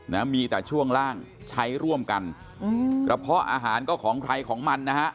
นะมีแต่ช่วงล่างใช้ร่วมกันอืมกระเพาะอาหารก็ของใครของมันนะฮะ